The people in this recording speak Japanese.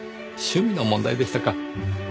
趣味の問題でしたか。